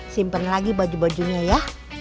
simpen lagi baju bajunya ya